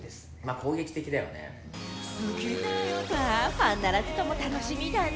ファンならずとも楽しみだね。